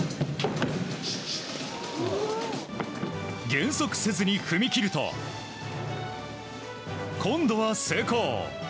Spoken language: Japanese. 減速せずに踏み切ると今度は成功！